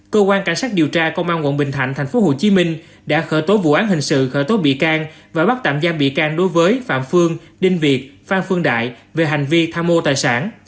cơ quan cảnh sát điều tra công an quận bình thạnh tp hcm đã khởi tố vụ án hình sự khởi tố bị can và bắt tạm giam bị can đối với phạm phương đinh việt phan phương đại về hành vi tham mô tài sản